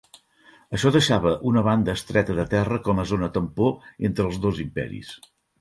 Això deixava una banda estreta de terra com a zona tampó entre els dos imperis.